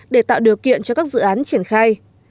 để tạo điều kiện cho các dự án triển khai